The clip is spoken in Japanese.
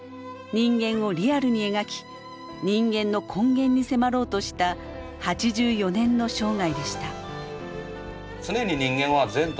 人間をリアルに描き人間の根源に迫ろうとした８４年の生涯でした。